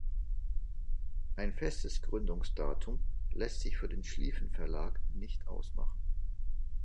Ein festes Gründungsdatum lässt sich für den Schlieffen-Verlag nicht ausmachen.